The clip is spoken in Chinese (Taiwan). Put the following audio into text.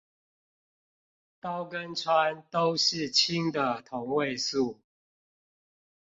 氘跟氚都是氫的同位素